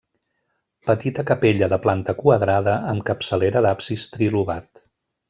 Petita capella de planta quadrada amb capçalera d'absis trilobat.